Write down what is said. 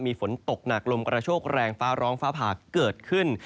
มีฝนตกหนักลมกระโชกแรงฟ้าร้องฟ้าผ่าเกิดขึ้น